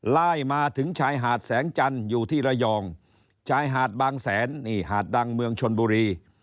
ไล่มาถึงชายหาดแสงจันทร์อยู่ที่ระยองชายหาดบางแสนนี่หาดดังเมืองชนบุรี